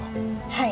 はい。